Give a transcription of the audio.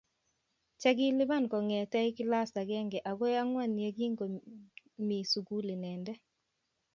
Chekilipan kongetkei kilas agenge agoi angwan yekingomi sukul inendet